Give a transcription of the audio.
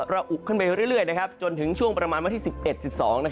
อุกขึ้นไปเรื่อยจนถึงช่วงประมาณวันที่๑๑๑๒